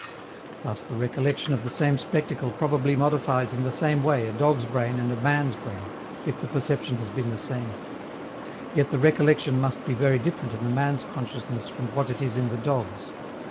Thus, the recollection of the same spectacle probably modifies in the same way a dog's brain and a man's brain, if the perception has been the same; yet the recollection must be very different in the man's consciousness from what it is in the dog's.